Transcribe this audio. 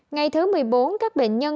ngày thứ một mươi bốn các bệnh nhân